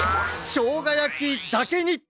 しょうがやきだけに！